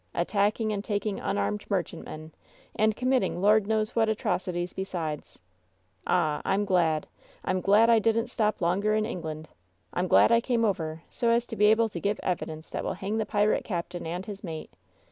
At tacking and taking imarmed merchantmen, and commit ting Lord knows what atrocities besides! Ah! I'm glad — I'm glad I didn't stop longer in England! I'm glad I came over, so as to be able to give evidence that will hang the pirate captain and his mate!